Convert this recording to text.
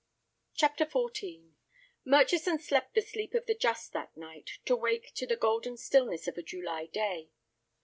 CHAPTER XIV Murchison slept the sleep of the just that night, to wake to the golden stillness of a July day.